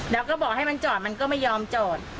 แล้วก็บอกให้มันจอดมันก็ไม่ยอมจอด